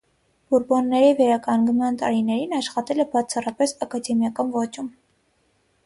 Բուրբոնների վերականգնման տարիներին աշխատել է բացառապես ակադեմիական ոճում։